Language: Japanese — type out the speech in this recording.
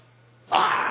ああ。